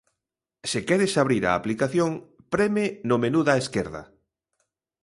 Se queres abrir a aplicación preme no menú da esquerda.